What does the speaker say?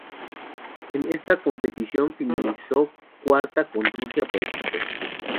En esta competición finalizó cuarta con Rusia por equipos.